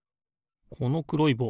このくろいぼう